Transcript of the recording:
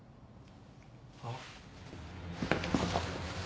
あっ。